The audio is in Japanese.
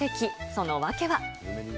その訳は。